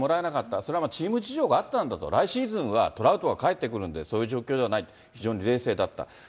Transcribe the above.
それはチーム事情があったんだと、来シーズンはトラウトが帰ってくるのでそういう状況じゃない、冷静だった。